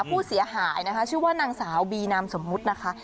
ผู้เสียหายนะคะชื่อว่านางสาวบีนามสมมุตินะคะ